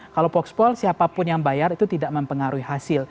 kalau voxpol siapapun yang bayar itu tidak mempengaruhi hasil